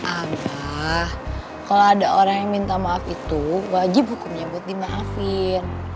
abah kalau ada orang yang minta maaf itu wajib hukumnya buat dimaafin